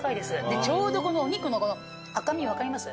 でちょうどお肉のこの赤身分かります？